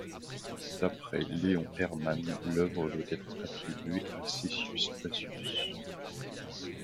D'après Léon Herrmann, l'œuvre doit être attribuée à Césius Bassus.